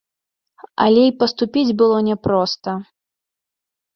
Але й паступіць было няпроста.